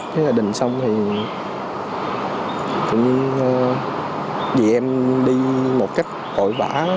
cái gia đình xong thì tự nhiên dì em đi một cách tội vã